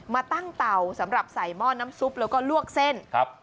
มาตั้งเต่าสำหรับใส่หม้อน้ำซุปแล้วก็ลวกเส้นครับ